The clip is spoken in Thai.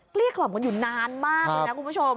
เกลี้ยกร่อมอยู่นานมากเลยนะคุณผู้ชม